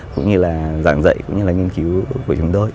cũng như là giảng dạy cũng như là nghiên cứu của chúng tôi